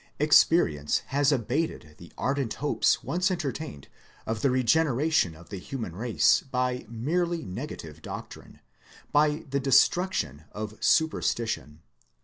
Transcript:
Experience has abated the ardent hopes once enter tained of the regeneration of the human race by merely negative doctrine by the destruction of superstition.